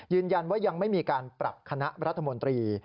ยืนยันว่ายังไม่มีการปรับคณะรัฐมนตรี